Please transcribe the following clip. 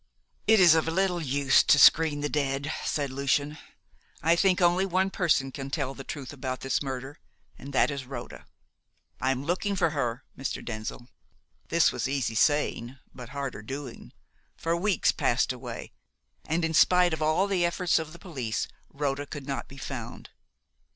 "It is of little use to screen the dead," said Lucian. "I think only one person can tell the truth about this murder, and that is Rhoda." "I'm looking for her, Mr. Denzil." This was easy saying, but harder doing, for weeks passed away, and in spite of all the efforts of the police Rhoda could not be found.